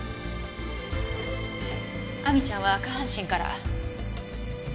亜美ちゃんは下半身から。